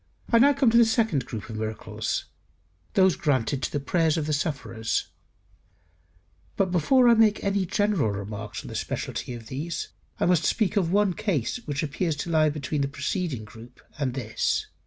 I come now to the second group of miracles, those granted to the prayers of the sufferers. But before I make any general remarks on the speciality of these, I must speak of one case which appears to lie between the preceding group and this.